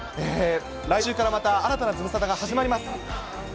来週から、また新たなズムサタが始まります。